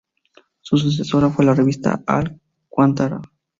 Su sucesora fue la revista "Al-Qantara".